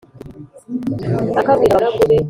Aherako abwira abagaragu be